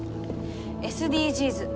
ＳＤＧｓ。